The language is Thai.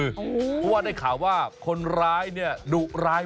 เพราะว่าได้ข่าวว่าคนร้ายเนี่ย